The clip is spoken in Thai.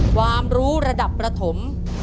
ความรู้ระดับประถม